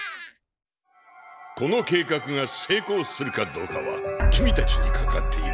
この計画が成功するかどうかは君たちにかかっている。